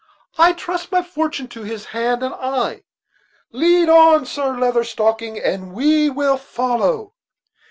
I trust my fortune to his hand and eye. Lead on, Sir Leather Stocking, and we will follow."